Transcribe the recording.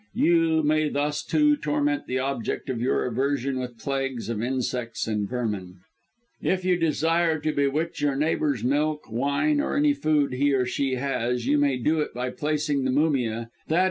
You may thus, too, torment the object of your aversion with plagues of insects and vermin. "If you desire to bewitch your neighbour's milk, wine, or any food he or she has, you may do it by placing the mumia, _i.